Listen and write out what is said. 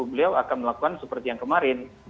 beliau akan melakukan seperti yang kemarin